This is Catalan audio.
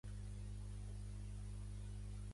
Grati el taurí més agitat.